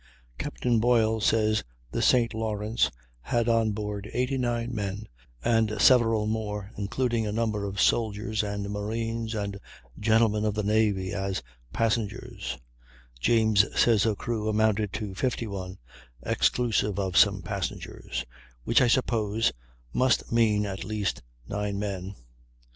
Captain Boyle says the St. Lawrence had onboard 89 men and several more, including a number of soldiers and marines and gentlemen of the navy, as passengers; James says her crew amounted to 51 "exclusive of some passengers," which I suppose must mean at least nine men.